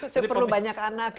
jadi perlu banyak anak